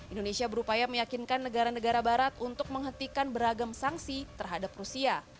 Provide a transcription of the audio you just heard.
indonesia berupaya meyakinkan negara negara barat untuk menghentikan beragam sanksi terhadap rusia